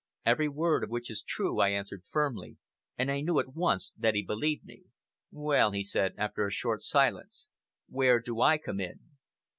"Every word of which is true," I answered firmly, and I knew at once that he believed me. "Well," he said, after a short silence, "where do I come in?"